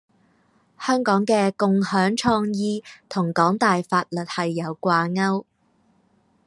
香港嘅「共享創意」同港大法律系有掛鉤